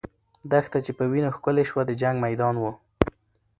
دښته چې په وینو ښکلې سوه، د جنګ میدان وو.